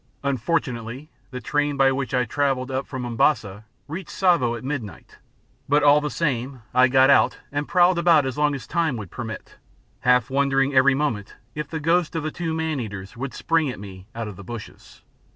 Unfortunately the train by which I travelled up from Mombasa reached Tsavo at midnight, but all the same I got out and prowled about as long as time would permit, half wondering every moment if the ghosts of the two man eaters would spring at me out of the bushes.